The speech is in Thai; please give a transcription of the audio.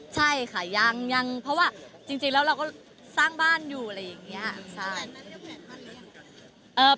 ใช่ค่ะยังเพราะว่าจริงแล้วเราก็สร้างบ้านอยู่อะไรอย่างนี้